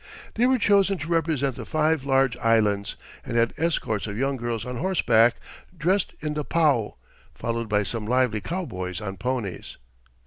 They were chosen to represent the five large islands, and had escorts of young girls on horseback dressed in the pau, followed by some lively cowboys on ponies.